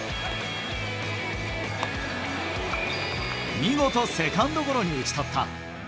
見事セカンドゴロに打ち取った。